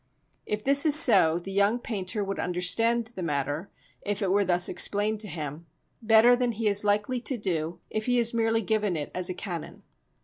If this is so the young painter would understand the matter, if it were thus explained to him, better than he is likely to do if he is merely given it as a canon.